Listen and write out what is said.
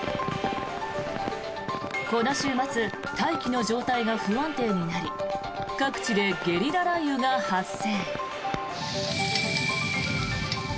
この週末大気の状態が不安定になり各地でゲリラ雷雨が発生。